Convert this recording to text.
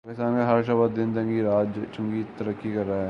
پاکستان کا ہر شعبہ دن دگنی رات چگنی ترقی کر رہا ہے